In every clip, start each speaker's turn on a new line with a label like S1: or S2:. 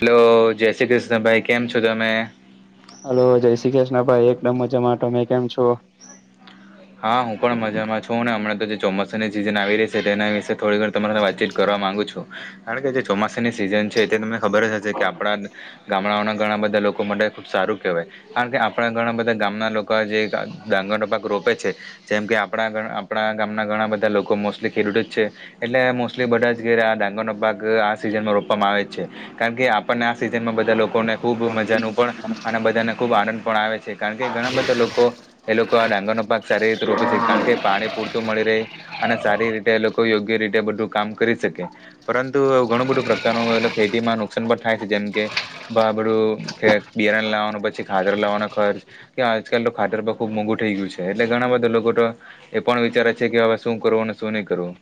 S1: Hello જય શ્રી કૃષ્ણ ભાઈ કેમ છો તમે?
S2: હલો જય શ્રી કૃષ્ણ ભાઈ એકદમ મજા મે કેમ છો?
S1: હા હું પણ મજામાં છું ને હમણા તો જે ચોમાસાની સીઝન આવી રહી છે તેના વિશે થોડી ઘણી તમારી સાથે વાતચીત કરવા માંગુ છું કારણ કે જે ચોમાસાની સિઝન છે એ તે તમે ખબર જ હશે કે આપણા ગામડાંઓના ઘણા બધા લોકો માટે ખૂબ સારું કહેવાય- કારણ કે આપણા ઘણા બધા ગામના લોકો જે ડાંગરનો પાક રો આપ છે જેમ કે આપણા આપણા ગામના ઘણા બધા લોકો મોસ્ટલી ખેડૂતો જ છે. એટલે મોસ્ટલી બધા જ ઘર ડાંગરનો પાક આ સિઝનમાં રોપવામાં આવે જ છે. કારણ કે આપણને આ સિઝનમાં બધા લોકોને ખુબ મજાનું પણ અને બધાને ખુબ આનંદ પણ આવે છે. કારણ કે ઘણા બધા લોકો એ લોકો આ ડાંગર નો પાક સારી રીતે રોપી છે કારણ કે પાણી પૂરતું મળી રહે અને સારી રીતે લોકો યોગ્ય રીતે બધું કામ કરી શકે પરંતુ ઘણું બધું પ્રકારનું ખેતીમાં નુકસાન પણ થાય છે જેમ કે ભાબડું કે બિયારણ લાવવાનું પછી ખાતર લાવવાનો ખર્ચ કે આજકાલ તો ખાતર પર ખુબ મોંઘું થઈ ગયું છે એટલે ઘણા બધા લોકો તો એ પણ વિચારે છે કે હવે શું કરવું અને શું નહી કરવું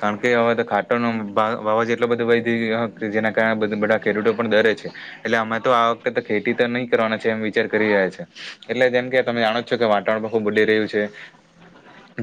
S1: કારણ કે હવે તો ખાતરનો ભાવ જ એટલો બધો વધી ગયો જેના કારણે બાધ ખેડૂતો પણ ડરે છે એટલે અમે તો આ વખતે ખેતી તો નહી કરવાના છે એમ વિચાર કરી રહ્યા છે એટલે જેમ કે તમે જાણો છો કે વાતાવરણ ખુબ બદલી રહ્યું છે.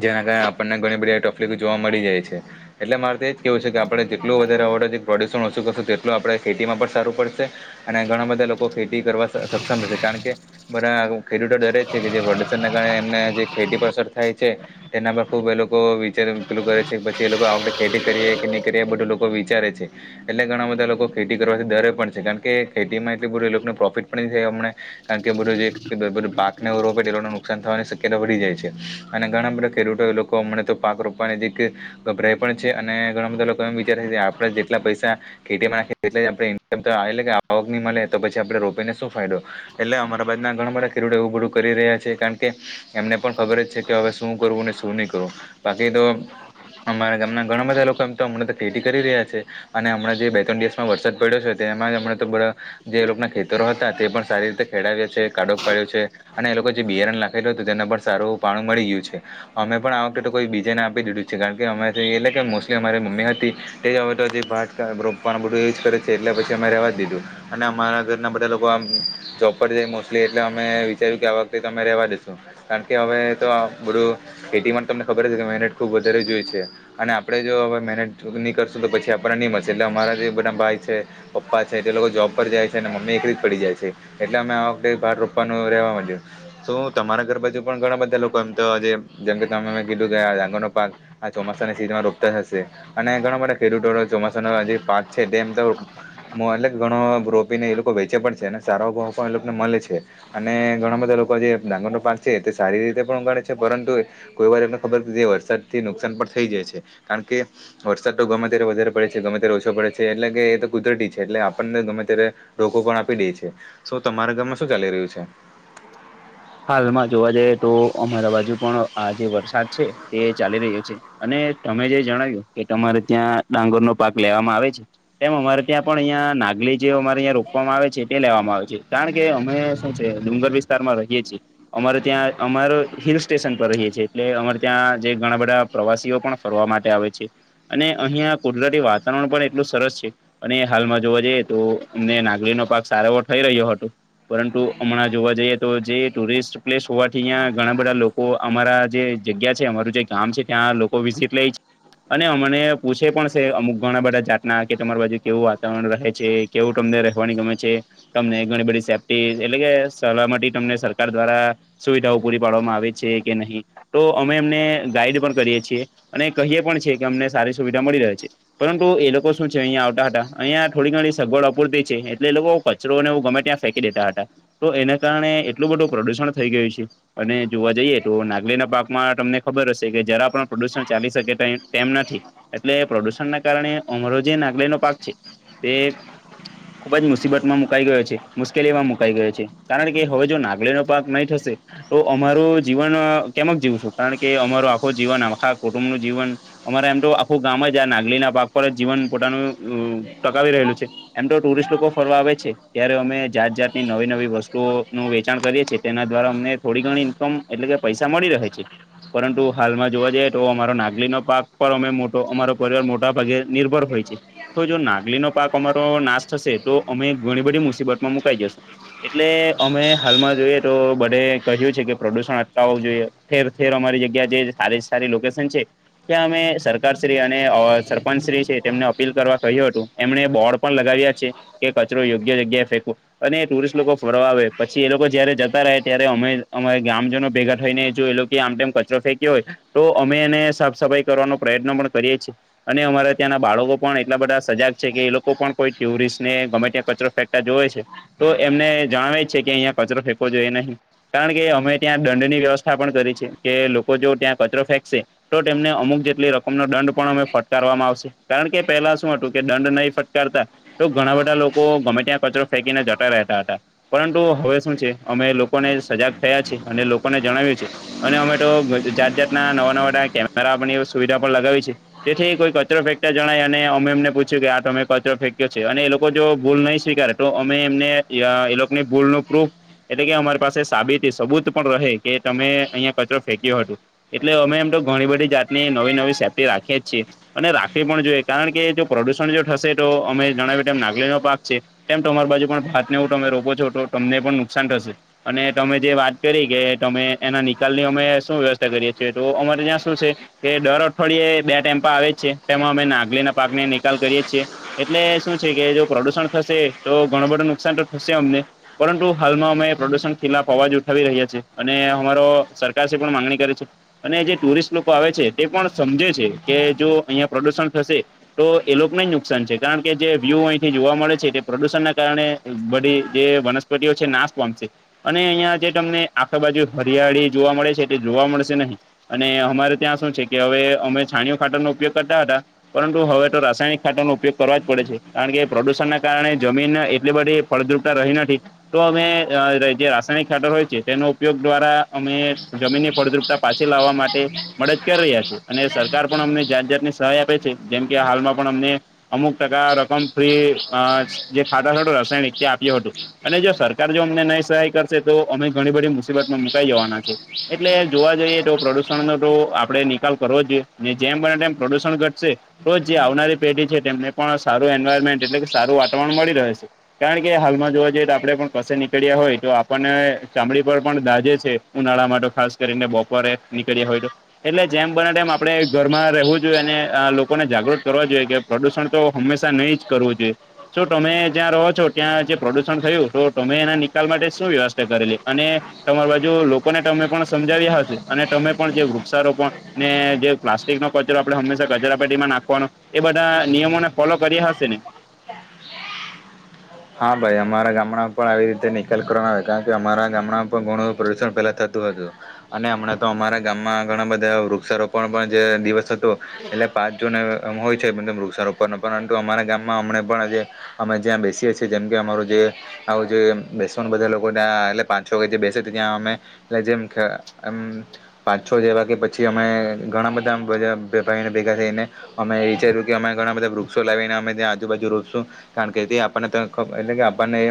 S1: જેના કારણે આપણને ઘણી બધી તકલીફ જોવા મળી જાય છે. એટલે મારે તો એજ કેવું છે કે આપડને જેટલું વધારે પ્રોડક્શન ઓછું કરશું તેટલું આપડણે ખેતી માં પણ સારું પડશે અને ઘણા બધા લોકો ખેતી કરવા સક્ષમ થશે કારણ કે બધા ખેડૂતો ડરે છે કે જે પ્રદુષણ ના કારણે એમને જે ખેતી પર અસર થાય છે. એના પર ખુબ એ લોકો વિચાર પેલું કરે છે પછી એ લોકો આ વખતે ખેતી કરીએ કે નહી કરી એ બધું લોકો વિચારે છે. એટલે ઘણા બધા લોકો ખેતી કરવાથી ડરે પણ છે કારણ કે ખેતી માં એટલી બધું એ લોકોને પ્રોફિટ પણ અમણે કારણ કે બધું જે પાક ને રોપે એ નુકસાન થવાની શક્યતા વધી જાય છે અને ઘણા બધા ખેડૂતો લોકોમ તો પાક રોપવાની જે ગભરાય પણ છે અને ઘણા બધા લોકો એમ વિચારે છે કે આપણા જેટલા પૈસા ખેતીમાં નાખી એ આવકની મળે તો પછી આપડણે રોપીને શું ફાયદો એટલે અમારા બાજ ના ઘણા બધા ખેડુતો એવુ બડધુ કરી રહ્યા છે કારણ કે એમને પણ ખબર જ છે કે હવે શું કરવું ને શું નહી કરવું બાકી તો અમારા ગામના ઘણા બધા લોકો એમ તો હમણાં તો ખેતી કરી રહ્યા છે. અને હમણાં જે બે ત્રણ દિવસમાં વરસાદ પડ્યો છે તેમાં જ હમણા તો બધા જે લોકો ના ખેતરો હતા તે પણ સારી રીતે ખેડાવ્યા છે કાડોક પાડ્યો છે અને એ લોકો જે બિયારણ લાગ્યા થલ હતું તેને પણ સારું પાણું મળી ગયું છે. અમે પણ આ વખતે તો કોઈ બીજેને આપી દીધું છે કારણ કે અમે એટલે કે મોસ્ટલી અમારી મમ્મી હતી તે જ હવે તો જે રોપવાનું બધું યુ કરે છે એટલે પછી અમે રેવા જ દીધું અને અમારા ઘરના બધા લોકો આમ જોબ પર જાય મોસ્ટલી એટલે અમે વિચાર્યું કે આ વખતે તમે રેવા દશુ. કારણ કે હવે તો બધું ખેતી તમને ખબર કે મેનટ ખુબ વધારે જોય છે. અને આપણેે જો હવે મેનટ નહી કરશું તો પછી આપણને નહી મળશે એટલે અમારા જે બધા ભાઈ છે. પપ્પા છે તે લોકો જોબ પર જાય છે અને મમ્મી એક રીત પડી જાય છે. એટલે અમે આ વખતે બાર રોપવાનું રેવા માંડ્યું તો તમારા ઘર બાજુ પણ ઘણા બધા લોકો એમ તોજ જેમ કે તમે મને કીધું ગયા ડાંગર નો પાક આ ચોમાસાની સીઝનમાં રોપાતા હશે અને ઘણા બધા ખેડૂતો ચોમાસાનો જે પાક છે તેમ તો એટલે ઘણો રોપીને એ લોકો વેચે પણ છે અને સારો ભાવ પણ એ લોકોને મળે છે. અને ઘણા બધા લોકો જે ડાંગર નો પાક છે તે સારી રીતે પણ ઉગાડે છે પરંતુ કોઈ વાર એમને ખબર વરસાદ થી નુકસાન પણ થઈ જાય છે કારણ કે વરસાદ તો ગમે ત્યારે વધારે પડે છે ગમે ત્યારે ઓછો પડે છે એટલે કે એ તો કુદરતી છે એટલે આપણને ગમે ત્યારે રોકો પણ આપી દે છે તો તમારા ગામમાં શું ચાલી રહ્યું છે?
S2: હાલમાં જોવા જઈએ તો અમારા બાજુ પણ આ જે વરસાદ છે તે ચાલી રહ્યો છે અને તમે જે જણાવ્યું કે તમારે ત્યાં ડાંગર નો પાક લેવામાં આવે છે. તેમ અમારે ત્યાં પણ અહિયાં નાગલી જે અમારે અહં રોપવામાં આવે છે તે લેવામાં આવે છે કારણ કે અમે ડુંગર વિસ્તાર માં રહીએ છી અમારે ત્યાં અમાર હિલ સ્ટેશન પર રહીએ છીએ એટલે અમારે ત્યાં જે ઘણા બધા પ્રવાસીઓ પણ ફર માટે આવે છે અને અહિયાં કુદરતી વાતાવરણ પણ એટલું સરસ છે અને હાલમાં જોવા જઈએ તો અમને નાગણીનોો પાક સારો એવો થઈ રહ્યો હતો પરંતુ હમણાં જોવા જઈએ તો જે ટુરિસ્ટ પ્લેસ હોવાથી અહં ઘણા બધા લોકો અમારા જે જગ્યા છે અમારું જે ગામ છે ત્યાં ઓબીસીટલે અને અમને પૂછે પણ છે અમુક ઘણા બધા જાતના કે તમારી બાજુ કેવું વાતાવરણ રહે છે કેવું તમને રહેવાની ગમે છે તમને ઘણી બધી સેફ્ટી એટલે કે સલાહ માટે તમને સર સર દ્વારા સુવિધાઓ પૂરી પાડવામાં આવે છે કે નહી તો અમે એમને ગાઈડ પણ કરીએ છીએ અને કહીએ પણ છે કે અમને સારી સુવિધા મળી રહે છે પરંતુ એ લોકો શું છે અહિયાયા આવતા હતા અહિયાં થોડી ઘડી સગવડ અપૂરતી છે એટલે એ લોકો ઓ જ કરોને એું ગમે ત્યાં ફેંકી દેતા હતા તો એને કારણે એટલું બધું પ્રદુષણ થઈ ગયું છે અને જોવા જઈએ તો નાગલીના પાકમાં તમને ખબર હશે કે જરા પણ પ્રદુષણ ચાલી શકે તેમ નથી એટલે પ્રદુષણ ના કારણે અમરો જે નાગલેનોો પાક છે તે ખુબ જ મુસીબત માં મુકાઈ ગયો છે મુશ્કેલીમાં મુકાઈ ગયો છે કારણ કે હવે જો નાગલી નો પાક માય થશે તો અમારું જીવન કેમ જીવું છું કારણ કે અમાર આખો જીવન આખા કુટુંબ ન જીવન અમારે એમ તો આખું ગામ જ આ નાગલી ના પાક પર જીવન પોતાનું ટકાવી રહેલું છે એમ તો ટુરિસ્ટ લોકો ફરવા આવે છે ત્યારે અમે જાત જાતની નવી નવી વસ્તુઓ નું વેચાણ કરીએ છીએ તેના દ્વારા અમને થોડી ઘણી ઇન્કમ એટલે કે પૈસા મળી રહે છે પરંતુ હાલમાં જોવા જઈએ તો અમારો નાગલી ન પાક પર અમેટો અમારો પરિવાર મોટા ભાગે નિર્ભર હોય છે તો જો નાગલી નો પાક અમારો નાશ થશે તો અમે ઘણી બધી મુસીબતમાં મુકાઈ જશું એટલે અમે હાલમાં જોઈએ તો બડે કહ્યું છે કે પ્રદુષણ અટતા હોવું જોઈએ ઠેર ઠેર અમારી જગ્યા જે સારી સારી લોકેશન છે ત્યા અમે સરકારશ્રી અને સરપંચશ્રી છે તેમને અપીલ કરવા કહ્યું હતું એમણે બોર્ડ પણ લગાવ્યા છે કે કચરો યોગ્ય જગ્યાએ ફેંકવ અને એ ટુરિસ્ટ લોકો ફરવા આવે પછી એ લોકો જયારે જતા રહે ત્યારે અમે અમા ગામજનો ભેગા થઈને જો એ લોકો આમમ કચરો ફેં્યો હોય તો અમે એને સાફ સફાઈ કરવાનો પ્રયત્ન પણ કરીએ છીએ અને અમારા ત્યાંના બાળકો પણ એટલા બધા સજાગ છે કે એ લોકો પણ કોઈ ટ્યુરિસ્ટને ગમે ત્યાં કચરો ફે જોવે છે તો એમને જણાવે જ છે કે અહિયાં કચરો ફેંકોો જોઈએ નહીં કારણ કે અમે ત્યાં દંડની વ્યવસ્થા પણ કરી છે કે લોકો જો ત્યાં કચરો ફેંકશે તો તેમને અમુક જેટલી રકમ ન દંડ પણ અમે ફટકારવામાં આવશે કારણ કે પહેલા શું હતું કે દંડ નહીં ફટકારતા તો ઘણા બધા લોકો ગમે ત્યાં કચરો ફેંકીને જતા રહેતા હતા પરંતુ હવે શું છે અમે લોકોને સજાગ થયા છી અને લોકોને જણાવ્યું છે અને અમે તો જાત જાતના નવા નવા કેમેરા સુવિધા પણ લગાવી છે તેથી કોઈ કચરો ફેંતા જણાય અને અમે એમને પૂછ્યું કે આ તમે કચરો ફેંક્યો છે અને એ લોકો જો ભૂલ નહીં સ્વીકારારે તો અમે એમને એ લોકોની ભૂલ ન પ્રૂફ એટલે કે અમારી પાસે સાબિતી સબૂત પણ રહે કે તમે અહીિયાંયા કચરો ફેંક્યો હતો એટલે અમે એમ તો ઘણી બધી જાતની નવી નવી સેફ્ટી રાખીે જ છીએ અને રાખવી પણ જોઈએ કારણ કે જો પ્રદુષણ જો થશે તો અમે જણાવી તેમ નાગલી નો પાક છે, તેમ તમારી બાજુ પણ ભાતનેવું તમે રોકો છો તો તમને પણ નુકસાન થશે અને તમે જે વાત કરી કે તમે એના નિકાલની અમે શું વ્યવસ્થા કરીએ છીએ તો અમારે ત્યાં શું છે, કે દર અઠવાડિયે બે ટેમ્પા આવે છે તેમાં અમે નાગલી ના પાકને નિકાલ કરીએ છીએ, એટલે શું છે કે જો પ્રદુષણ થશે તો ઘણું બધું નુકસાન તો થશે અમને પરંતુ હાલમાં અમે પ્રદુષણ ખિલા અવાજ ઉઠાવી રહ્યા છીએ અને અમારો સરકાર સે પણ માંગણી કરી છે, અને જે ટુરિસ્ટ લોકો આવે છે તે પણ સમજે છે કે જો અહિયાં પ્રદુષણ થશે, તો એ લોકોને જ નુકસાન છે, કારણ કે જે વ્યૂ અહીંથી જોવા મળે છે તે પ્રદુષણ ના કારણે બડી જે વનસ્પતિઓ છે, નાશ પામશે અને અહિયા જે તમને આખા બાજુ હરિયાળી જોવા મળે છે, જોવા મળશે નહીં અને અમારે ત્યાં શું છે કે હવે અમે છાણીયુ ખાતરનો ઉપયોગ કરતા હતા, પરંતુ હવે તો રાસાયણિક ખાતર નો ઉપયોગ કરવા જ પડે છે કારણ કે પ્રદૂષણ ના કારણે જમીન એટલી બધી ફળદ્રુપતા રહી નથી, તો અમે જે રાસાયણિક ખાતર હોય છે, તેનો ઉપયોગ દ્વારા અમે જમીનની ફળદ્રુપતા પાછી લાવવા માટે મદદ કરી રહ્યા છે, અને સરકાર પણ અમને જાત જાતની સહાય આપે છે જેમકે હાલમાં પણ અમને અમુક ટકા રકમ ફ્રી જે ખાધા થો રાસાયણિક ત્યત એ હતું અને જો સરકાર જો અમને નહી સહાય કરશે તો અમે ઘણી બધી મુસીબતમાં મુકાઈ જવાના છે, એટલે જોવા જઈએ તો પ્રદુષણનો તો આપડે નિકાલ કરવો જ જોઈએ જેમ બને તેમ પ્રદુષણ ઘટશે, રોજ જે આવનારી પેઢી છે તેમને પણ સારું એન્વાયરમેન્ટ એટલે કે સારું વાતાવરણ મળી રહે છે. કારણ કે હાલમાં જોવા જઈએ તો આપડે પણ કસે નીકળ્યા હોય તો આપણને ચામડી પર પણ દાજે છે, ઉનાળા માટે ખાસ કરીને બપોરે નીકળ્યા હોય તો. એટલે જેમ બને ટમ આપડણે ઘરમાં રહેવું જોઈએ અને લોકોને જાગૃત કરવા જોઈએ કે પ્રદુષણ તો હંમેશા નહી જ કરવું જોઈએ, શુ તમે જ્યાં રહો છો ત્યાં જે પ્રદૂષણ થયું તો તમે એના નિકાલ માટે શું વ્યવસ્થા કરેલી અને તમારી બાજુ લોકોને તમે પણ સમજાવ્યા હશે, અને તમે પણ જે વૃક્ષારો પણ ને જે પ્લાસ્ટિક નો કચરો આપડણે હંમેશા કચરા પેટીમાં નાખવાનો, એ બધા નિયમોને ફોલો કર્યા હશે ને.
S1: હા, ભાઈ અમારા ગામડા પણ આવી રીતે નિકાલ કરવા આવે કારણ કે અમારા ગામડામાં પણ ઘણું પ્રદુષણ પહેલા થતું હતું, અને હમણાં તો અમારા ગામમાં ઘણા બધા વૃક્ષારોપણ પણ જે દિવસ તો એટલે પાંચ જને હોય છે, વૃક્ષાર ઉપર ન પરંતુ અમારા ગામમાં અમને પણ અમે જ્યાં બેસીએ છીએ, જેમ કે અમારું જે આવું જે બેસવા બધા લોકો ત્યાં એટલે પાંચ છો વાગે જે બેસે છે ત્યાં અમે લ જેમકે એમ પાછ છો જેવા કે પછી અમે ઘણા બધા વેપારીને ભેગા થઈને, અમે વિચાર્યું કે અમે ઘણા બધા વૃક્ષો લાવીને અમે ત્યાં આજુબાજુ રોપશું કારણ કે આપણને ખ એટલે કે આપણને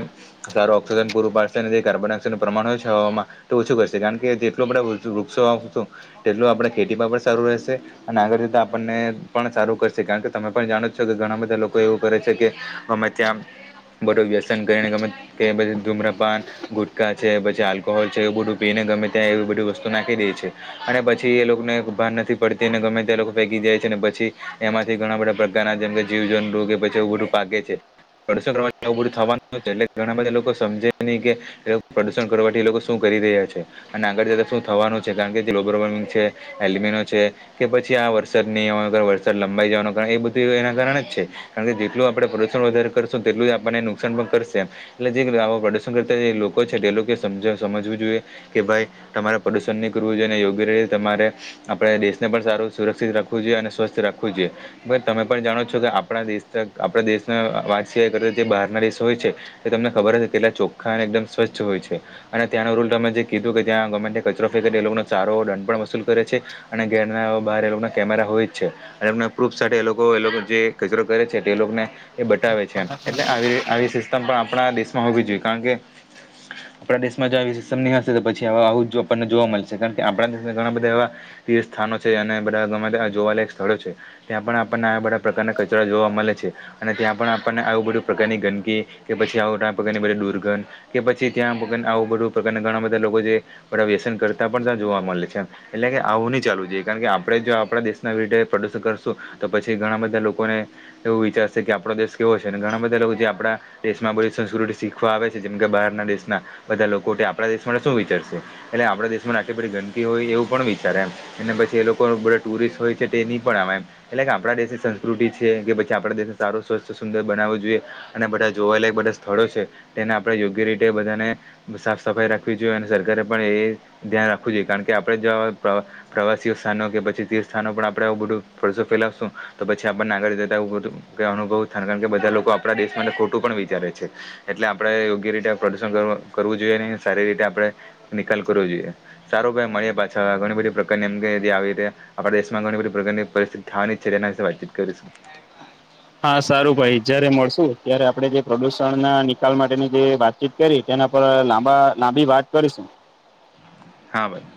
S1: સારું ઓક્સિજન પૂરું પાડશે અને જે કાર્બન ડાયોક્સાઇડનું પ્રમાણ હોય છે, હવામાં તો ઓછું કરશે કારણ કે જેટલું આપણે વૃક્ષો આપશું તેટલું આપણે ખેતીમાં પણ સારું રહેશે. અને આગળ જીતા આપણને પણ સારું કરશે, કારણ કે તમે પણ જાણો છો કે ઘણા બધા લોકો એવું કરે છે, કે હમે ત્યા બટું વ્યસન કરીને ગમે કે બધું ધૂમ્રપાન ગુટકા છે પછી આલ્કોહોલ છે એવું બધું પીને ગમે ત્યાં એવી બધી વસ્તુ નાખી દે છે. અને પછી એ લોકોને ભાર નથી પડતી ગમે ત જેમ જીવ જનોગ પછધું પાે છે પણ તમે બધું થવાનું એટલે ઘણા બધા લોકો સમજે નહી, કે એ લોકો પ્રદુષણ કરવાથી એ લોકો શું કરી રહ્યા છે, અને આગળ જતા શું થવાનું છે કારણ કે ગ્લોબલ વોર્મિંગ છે. એલમીનો છે કે પછી આ વરસાદ નહીં આવવાનો કાર વરસાદ લંબાઈ જવાનું કારણ એ બધું એના કારણે જ છે. કારણ કે જેટલું આપણે પ્રદુષણ વધારે કરશું તેટલું આપ ને નુકસાન પણ કરશે એમ એટલે જે પ્રદર્શન કરતા જે લોકો છે તે લોકો સમજવું જોઈએ કે ભાઈ તમારે પ્રદુશન નહી કરવું જોઈએને યોગ્ય રીતે તમારે આપડણે દેશને પણ સારું સુરક્ષિત રાખવું જોઈએ અને સ્વસ્થ રાખવું જોઈએ તમે પણ જાણો છો કે આપણા દેશ આપણા દેશ વાતચી કરે જે બહાર ના દેશ હોય છે તે તમને ખબર હ એટલા ચોખ્ખા અને એકદમ સ્વચ્છ હોય છે અને ત્યાંનો રૂલ તમે જે કીધું કે ત્યાં ગવર્મેન્ટ કચરો ફે એ લોકોનો સારો દંડ પણ વસૂલ કરે છે અને ઘેરના બહાર એ લોકો ના કેમેરા હોય જ છે એમ પ્રૂફ સાથે એ લોકો એ લોકો જે કચરો કરે છે તે એ લોકોને એ બતાવે છે એટલે આવી આવી સિસ્ટમ પણ આપણા દેશમાં હોવી જોઈએ કારણ કે આપણા દેશમાં જો સિમ નહીં હશે તો પછી આવ જ આપણને જોવા મળશે કારણ કે આપણા દેશ ઘણા બધા એવા તે સ્થાનો છે અને બધા ગમે જોવાલાક સ્થળો છે ત્યાં પણ આપણને આવા બધા પ્રકારના કચરા જોવા મળે છે અને ત્યાં પણ આપણને આવું બધું પ્રકારની ગંદકી કે પછી આવ આ પ્રકારની બધી દુર્ગંધ કે પછી ત્યાં આવું બધું પ્રકારના ઘણા બધા લોકો જે બધા વ્યસન કરતા પણ ત્યાં જોવા મળે છે એટલે કે આવું નહી ચાલું જોઈએ કારણ કે આપણે જો આપણા દેશના વિધ પ્રદર્શન કરશું તો પછી ઘણા બધા લોકોને એવું વિચારશે કે આપડો દેશ કેવો છે ઘણા બધા બધા લોકો જે આપણા દેશમાં બધી સંસ્કૃતિ શીખવા આવે છે જેમ કે બહારના દેશના બધા લોકો આપણા દેશ માટે શું વિચારશે એટલે આપણા દેશમાં આટલી બધી ગંદકી હોય એવું પણ વિચારે એમ અને પછી એ લોકો બધા ટુરિસ્ટ હોય છે તે નહી પણ આવે એમ એટલે કે આપડા દેશની સંસ્કૃતિ છે કે પછી આપણા દેશ સારો સ્વચ્છ સુંદર બનાવો જોઈએ અને બધા જોવાયેલા બધા સ્થળો છે તેને આપણે યોગ્ય રીતે બધાને સાફ સફાઈ રાખવી જોઈએ અને સરકારે પણ એ ધ્યાન રાખવું જોઈએ કારણ કે આપણે જો પ્રવાસીઓ સ્થાનો કે પછી તે સ્થાનો પણ આપણેે આવ બધું પરરસો ફેલાવશું તો પછી આપણને નાગર જતા એવ બધું કે અનુભવ થ કારણ કે બધા લોકો આપણા દેશ ને ખોટું પણ વિચારે છે એટલે આપડણે યોગ્ય રીતે પ્રદુષણ કરવું જોઈએ સારી રીતે આપણે નિકાલ કરવો જોઈએ સારું ભ મળીએ પાછા ઘણી બધી પ્રકારની એમ કે જે આવી ર્યા આપણા દેશમાં ઘણી બધી પ્રગતિની પરિસ્થિતિ થા જ છે એના વાતીત કરીશું
S2: હા સારું ભાઈ જયારે મળશું ત્યારે આપણે જે પ્રદુષણ ના નિકાલ માટેની જે વાત ચી કરી તેના પર લાંબા લાંબી વાત કરીશું
S1: હા ભાઈ